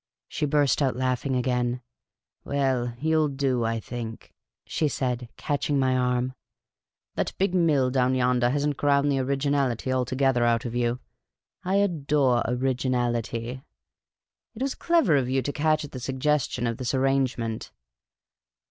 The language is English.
She burst out laughing again. " Well, 3'ou '11 do, I think," she said, catching my arm. " That big mill down yonder has n't ground the originality altogether out of you. I adore originality. It was clever of you to catch at the suggestion of this arrangement.